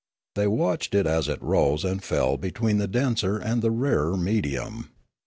They watched it as it rose and fell between the denser and the rarer medium.